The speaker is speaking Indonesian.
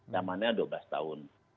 namanya dua belas tahun